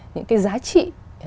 những cái giá trị